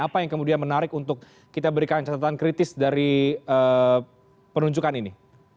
apa yang kemudian menarik untuk kita berikan catatan kritis dari penunjukan ini